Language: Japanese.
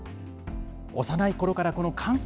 幼いころからこの感覚